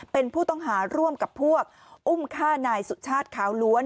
เป็นผู้ต้องหาร่วมกับพวกอุ้มฆ่านายสุชาติขาวล้วน